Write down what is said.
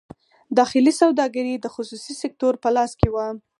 داخلي سوداګري د خصوصي سکتور په لاس کې وه.